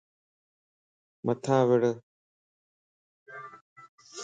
متان وڙو